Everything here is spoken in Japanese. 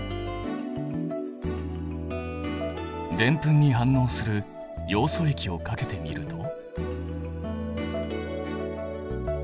デンプンに反応するヨウ素液をかけてみると。